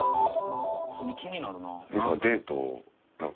普通に気になるな。